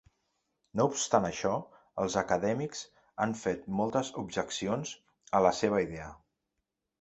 No obstant això, els acadèmics han fet moltes objeccions a la seva idea.